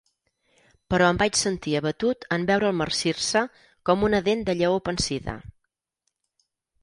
Però em vaig sentir abatut en veure'l marcir-se com una dent de lleó pansida.